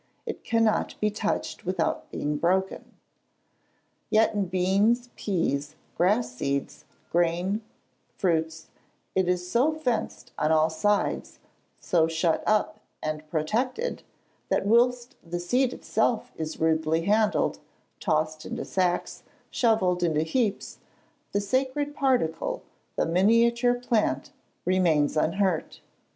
It cannot be touched without being broken. Yet in beans, peas, grass seeds, grain, fruits, it is so fenced on all sides, so shut up and protected, that whilst the seed itself is rudely handled, tossed into sacks, shovelled into heaps, the sacred particle, the miniature plant remains unhurt.